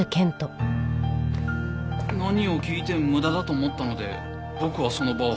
何を聞いても無駄だと思ったので僕はその場を離れました。